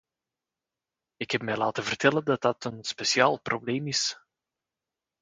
Ik heb mij laten vertellen dat dat een speciaal probleem is.